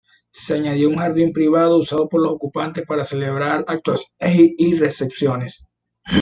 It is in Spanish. Se añadió un jardín privado, usado por los ocupantes para celebrar actuaciones y recepciones.